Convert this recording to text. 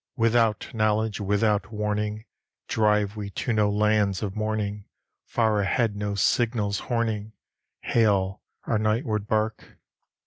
Without knowledge, without warning, Drive we to no lands of morning; Far ahead no signals horning Hail our nightward bark.